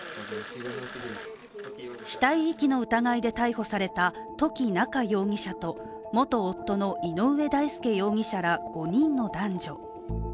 死体遺棄の疑いで逮捕された土岐菜夏容疑者と元夫の井上大輔容疑者ら５人の男女。